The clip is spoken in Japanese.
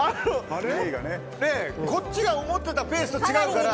こっちが思ってたペースと違うから。